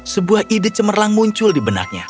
sebuah ide cemerlang muncul di benaknya